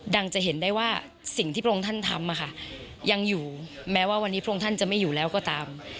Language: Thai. จะเห็นได้ว่าสิ่งที่พระองค์ท่านทำยังอยู่แม้ว่าวันนี้พระองค์ท่านจะไม่อยู่แล้วก็ตาม